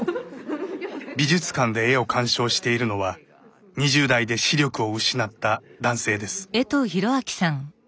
美術館で絵を鑑賞しているのは２０代で視力を失った男性です。